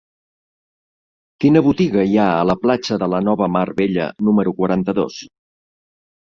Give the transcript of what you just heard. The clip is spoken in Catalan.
Quina botiga hi ha a la platja de la Nova Mar Bella número quaranta-dos?